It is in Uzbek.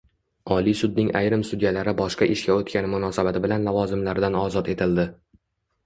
Oliy sudning ayrim sudyalari boshqa ishga o‘tgani munosabati bilan lavozimlaridan ozod etildi